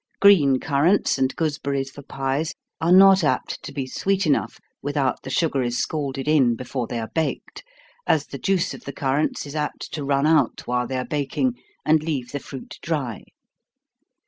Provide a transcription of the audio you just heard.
Green currants and gooseberries for pies are not apt to be sweet enough without the sugar is scalded in before they are baked, as the juice of the currants is apt to run out while they are baking, and leave the fruit dry.